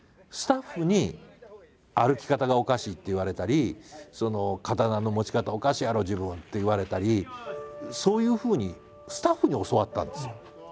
スタッフに「歩き方がおかしい！」って言われたり「刀の持ち方おかしいやろ自分」って言われたりそういうふうにスタッフに教わったんですよ。